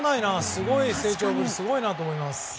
すごい成長ぶりすごいなと思います。